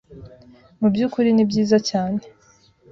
mu by’ukuri ni byiza cyane.”